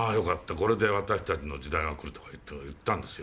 これで私たちの時代が来る」とか言ったんですよ。